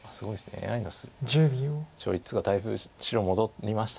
ＡＩの勝率がだいぶ白戻りました